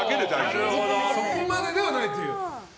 そこまでではないという。